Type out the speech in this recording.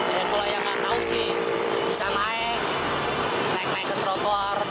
apa yang diperbaiki nih bang